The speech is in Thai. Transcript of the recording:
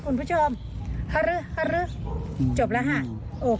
๐๙หรือว่าจะพลิกเป็น๖๐อะไรอย่างนี้ก็ได้